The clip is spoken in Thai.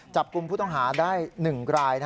จับกลุ่มผู้ต้องหาได้๑ราย